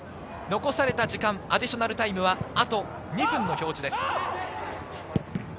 残された時間、アディショナルタイムはあと２分の表示です。